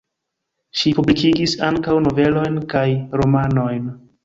Ŝi publikigis ankaŭ novelojn, kaj romanojn.